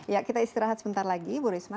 ya kita istirahat sebentar lagi bu risma